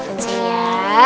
ustazah masakan sini ya